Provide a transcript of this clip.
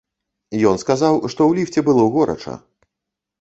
Ён сказаў, што ў ліфце было горача.